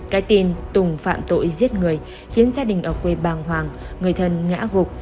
cái tin tùng phạm tội giết người khiến gia đình ở quê bàng hoàng người thân ngã gục